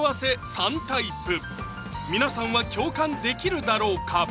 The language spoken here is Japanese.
３タイプ皆さんは共感できるだろうか？